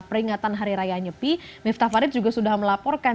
peringatan hari raya nyepi miftah farid juga sudah melaporkan